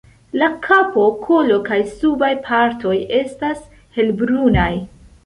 La kapo, kolo kaj subaj partoj estas helbrunaj.